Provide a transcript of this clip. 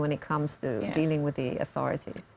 terutama dalam hal menguruskan otoritas